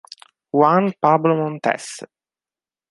Juan Pablo Montes